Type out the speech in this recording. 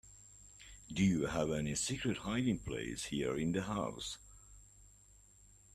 Do you have any secret hiding place here in the house?